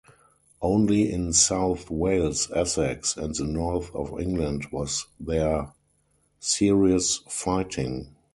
Only in South Wales, Essex, and the north of England was there serious fighting.